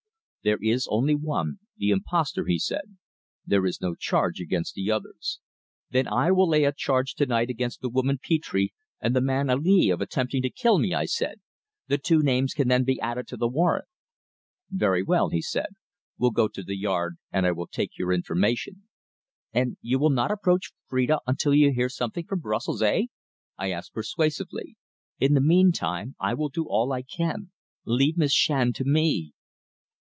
"There is only one the impostor," he said. "There is no charge against the others." "Then I will lay a charge to night against the woman Petre and the man Ali of attempting to kill me." I said. "The two names can then be added to the warrant." "Very well," he said. "We'll go to the Yard, and I will take your information." "And you will not approach Phrida until you hear something from Brussels eh?" I asked persuasively. "In the meantime, I will do all I can. Leave Miss Shand to me."